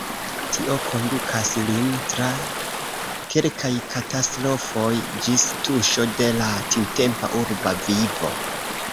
Tio kondukas lin tra kelkaj katastrofoj, ĝis tuŝo de la tiutempa urba vivo.